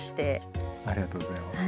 ありがとうございます。